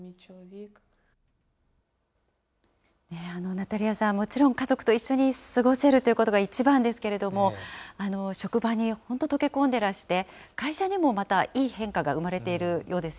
ナタリアさん、もちろん家族と一緒に過ごせるということが一番ですけれども、職場に本当、溶け込んでらして、会社にもまたいい変化が生まれているようです